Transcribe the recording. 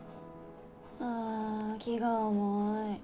あ気が重い。